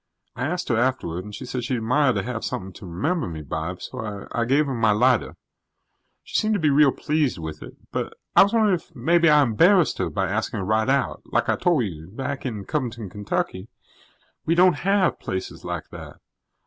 I asked her afterward and she said she'd admire to have something to remember me by, so I gave her my lighter. She seem' to be real pleased with it. But I was wondering if maybe I embarrassed her by asking her right out. Like I tol' you, back in Covington, Kentucky, we don't have places like that.